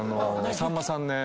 さんまさんね